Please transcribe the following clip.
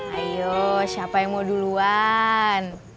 ayo siapa yang mau duluan